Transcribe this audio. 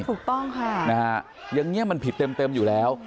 ถูกต้องค่ะนะฮะอย่างนี้มันผิดเต็มอยู่แล้ว